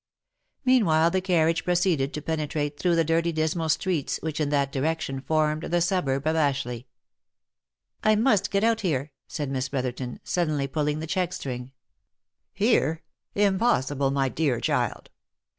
Meanwhile the carriage proceeded to penetrate through the ^dirty dismal streets, which, in that direction, formed the suburb of Ash leigh. " I must get out here," said Miss Brotherton, suddenly pulling the check string. 126 THE LIFE AND ADVENTURES "Here? Impossible, my dear child